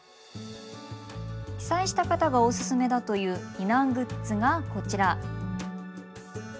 被災した方がおすすめだという避難グッズがこちら。